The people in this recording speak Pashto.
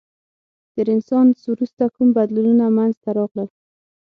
د رنسانس وروسته کوم بدلونونه منځته راغلل؟